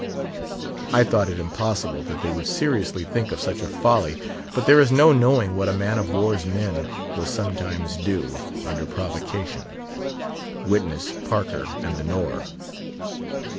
I thought it impossible that they would seriously think of such a folly; but there is no knowing what man of war's men will sometimes do, under provocation—witness Parker and the Nore.